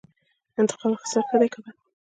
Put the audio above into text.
انتقام اخیستل ښه دي که بد؟